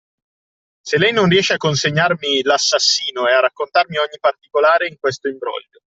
Se lei non riesce a consegnarmi l'assassino e a raccontarmi ogni particolare di questo imbroglio